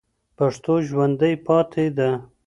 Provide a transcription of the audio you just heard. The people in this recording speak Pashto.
پښتو ژوندۍ پاتې ده.